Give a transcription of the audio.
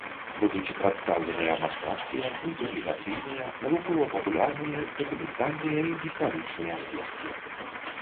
Будуць прадстаўленыя мастацкія, мультыплікацыйныя, навукова-папулярныя, дакументальныя і гістарычныя стужкі.